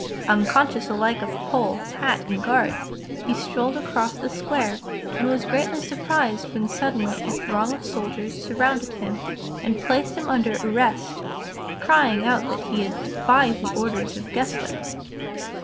Uncon scious alike of pole, hat and guards he strolled across the square and was greatly surprised when suddenly a throng of soldiers surrounded him and placed him under arrest, crying out that he had defied the orders of Gessler.